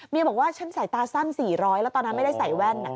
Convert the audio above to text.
บอกว่าฉันใส่ตาสั้น๔๐๐แล้วตอนนั้นไม่ได้ใส่แว่น